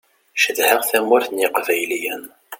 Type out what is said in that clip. Cedhaɣ tamurt n yiqbayliyen.